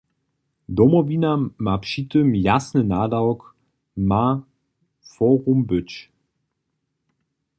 Domowina ma při tym jasny nadawk, ma forum być.